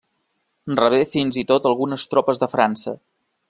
Rebé fins i tot algunes tropes de França.